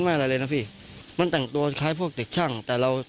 อะไรเลยนะพี่มันแต่งตัวคล้ายพวกเด็กช่างแต่เรา